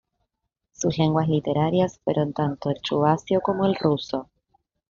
Sus lenguas literarias fueron tanto el chuvasio como el ruso.